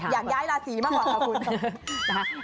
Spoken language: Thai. อยากย้ายราศีมากกว่ากับคุณ